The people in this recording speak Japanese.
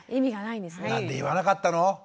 「なんで言わなかったの？